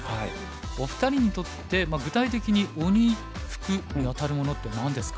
お二人にとって具体的に鬼福にあたるものって何ですか？